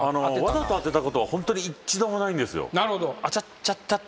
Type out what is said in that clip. わざと当てたことはホントに一度もないんですよ。